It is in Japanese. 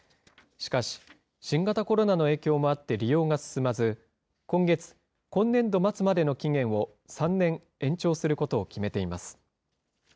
しかし、新型コロナの影響もあって利用が進まず、今月、今年度末までの期限を３年延長することを決めています。